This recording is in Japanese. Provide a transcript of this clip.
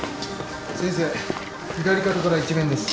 先生左肩から一面です。